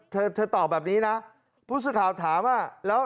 เธอตอบแบบนี้นะพูดสุข่าวถามว่า